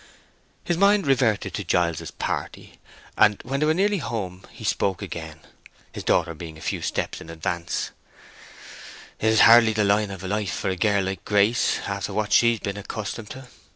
His mind reverted to Giles's party, and when they were nearly home he spoke again, his daughter being a few steps in advance: "It is hardly the line of life for a girl like Grace, after what she's been accustomed to.